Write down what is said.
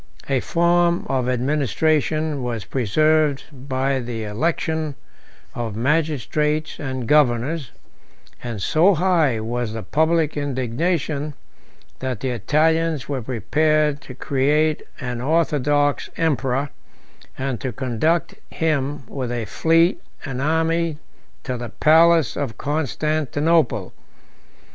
38 A form of administration was preserved by the election of magistrates and governors; and so high was the public indignation, that the Italians were prepared to create an orthodox emperor, and to conduct him with a fleet and army to the palace of Constantinople.